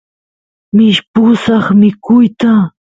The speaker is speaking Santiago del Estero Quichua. mishpusaq mikuyta